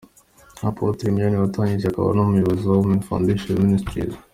Apotre Mignonne watangije akaba n'umuyobozi wa Women Foundation Ministries.